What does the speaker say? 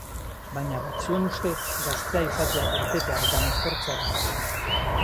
Baina batzuen ustez gaztea izatea irtetea eta mozkortzea da.